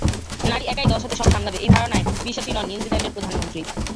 নারী একাই দশ হাতে সব সামলাবে এই ধারণায় বিশ্বাসী নন নিউজিল্যান্ডের প্রধানমন্ত্রী।